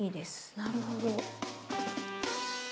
なるほど。